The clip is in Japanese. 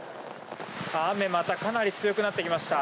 雨、またかなり強くなってきました。